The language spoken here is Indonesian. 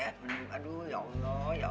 aduh ya allah ya allah